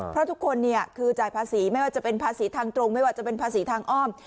เพราะทุกคนคือจ่ายภาษีไม่ว่าจะเป็นภาษีทางตรงไม่ว่าจะเป็นภาษีทางอ้อม